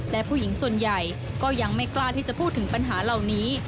และผู้หญิงส่วนใหญ่ก็ยังไม่กล้าที่จะพูดถึงปัญหาเหล่านี้